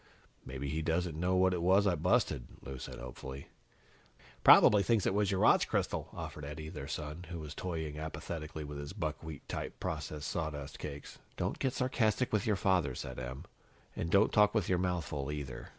"Maybe he doesn't know what it was I busted," Lou said hopefully. "Probably thinks it was your watch crystal," offered Eddie, their son, who was toying apathetically with his buckwheat type processed sawdust cakes. "Don't get sarcastic with your father," said Em, "and don't talk with your mouth full, either."